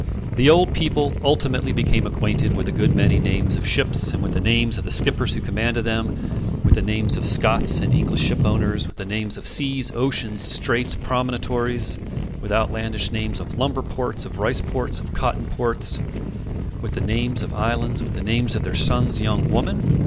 The old people ultimately became acquainted with a good many names of ships, and with the names of the skippers who commanded them with the names of Scots and English shipowners with the names of seas, oceans, straits, promontories with outlandish names of lumber ports, of rice ports, of cotton ports with the names of islands with the name of their son's young woman.